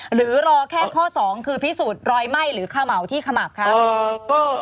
หรือรอแค่ข้อสองคือพิสูจน์รอยไหม้หรือเขม่าที่ขมับครับ